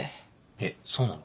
えそうなの？